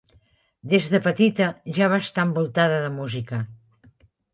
Des de petita ja va estar envoltada de música.